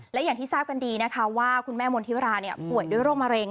และอย่างที่ทราบกันดีนะคะว่าคุณแม่มณฑิวราป่วยด้วยโรคมะเร็ง